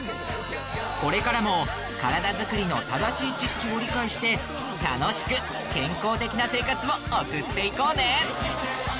これからも体づくりの正しい知識を理解して楽しく健康的な生活を送っていこうね！